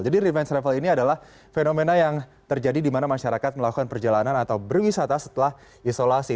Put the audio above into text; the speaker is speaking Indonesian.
jadi revenge travel ini adalah fenomena yang terjadi dimana masyarakat melakukan perjalanan atau berwisata setelah isolasi